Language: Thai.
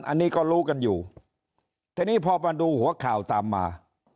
อันนี้ก็รู้กันอยู่ทีนี้พอมาดูหัวข่าวตามมา